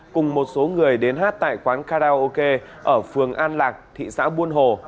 cùng một số người đến hát tại quán karaoke ở phường an lạc thị xã buôn hồ